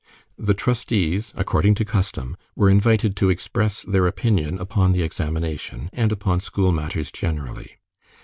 The trustees, according to custom, were invited to express their opinion upon the examination, and upon school matters generally.